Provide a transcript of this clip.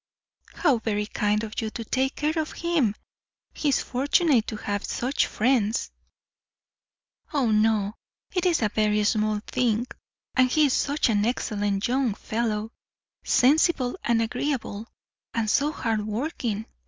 "How very kind of you to take care of him! He is fortunate to have such friends." "Oh, no, it is a very small thing; and he is such an excellent young fellow sensible and agreeable, and so hard working!